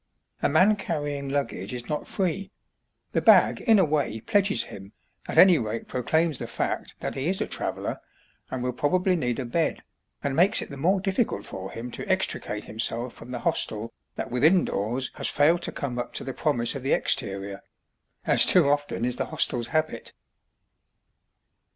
A man carrying luggage is not free; the bag in a way pledges him, at any rate proclaims the fact that he is a traveller and will probably need a bed, and makes it the more difficult for him to extricate himself from the hostel that within doors has failed to come up to the promise of the exterior as too often is the hostel's habit.